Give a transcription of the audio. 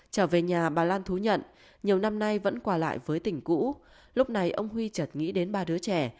trở về nhà bà lan thú nhận nhiều năm nay vẫn quà lại với tỉnh cũ lúc này ông huy chật nghĩ đến ba đứa trẻ